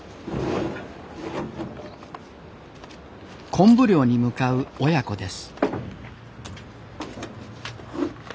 昆布漁に向かう親子です。